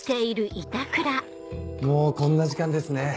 もうこんな時間ですね。